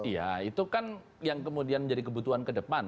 iya itu kan yang kemudian menjadi kebutuhan kedepan